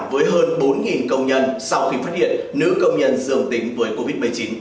với hơn bốn công nhân sau khi phát hiện nữ công nhân dường tính với covid một mươi chín